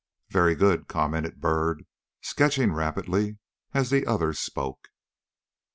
"Very good," commented Byrd, sketching rapidly as the other spoke.